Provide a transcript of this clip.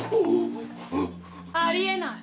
あり得ない！